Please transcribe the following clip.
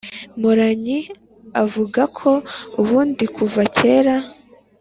Mporanyi, avuga ko ubundi kuva kera